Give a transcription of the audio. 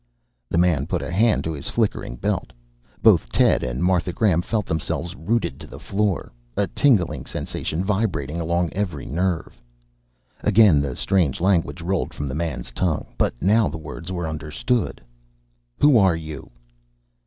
The man put a hand to his flickering belt. Both Ted and Martha Graham felt themselves rooted to the floor, a tingling sensation vibrating along every nerve. Again the strange language rolled from the man's tongue, but now the words were understood. "Who are you?"